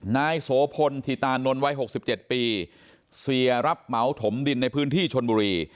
นายโสพลธิตานนท์วัย๖๗ปีเสียรับเหมาถมดินในพื้นที่ชนบุรี